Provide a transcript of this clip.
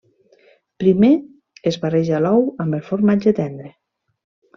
Primer, es barreja l'ou amb el formatge tendre.